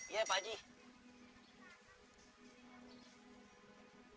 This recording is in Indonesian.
iya pak g